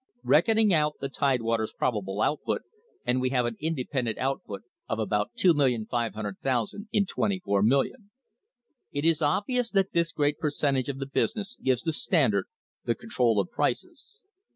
Reckon ing out the Tidewater's probable output, and we have an inde pendent output of about 2,500,000 in twenty four million. It is obvious that this great percentage of the business gives the Standard the control of prices.